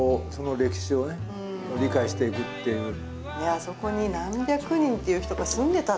あそこに何百人っていう人が住んでたっていうのが。